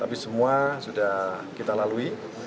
tapi semua sudah kita lalui